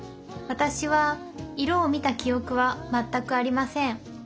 私は色を見た記憶は全くありません。